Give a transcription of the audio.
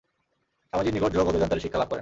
স্বামীজীর নিকট যোগ ও বেদান্তের শিক্ষা লাভ করেন।